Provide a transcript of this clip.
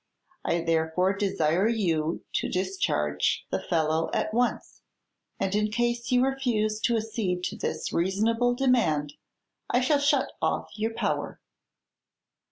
I therefore desire you to discharge the fellow at once, and in case you refuse to accede to this reasonable demand I shall shut off your power."